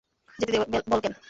যেতে দে, বলকেন।